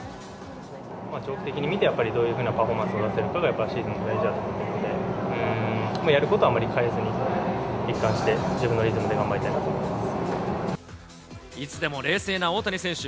長期的に見て、どういうふうなパフォーマンスを見せるかが、やっぱりシーズンで大事だと思うので、やることはあまり変えずに、一貫して自分のリズムで頑張りたいつでも冷静な大谷選手。